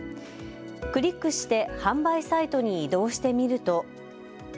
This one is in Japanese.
クリックして販売サイトに移動してみると。